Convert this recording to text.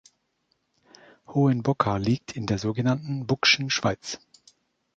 Hohenbocka liegt in der sogenannten Buck’schen Schweiz.